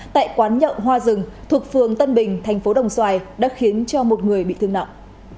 tại quán nhậu hoa rừng thuộc phường tân bình thành phố đồng xoài đã khiến cho một người bị thương nặng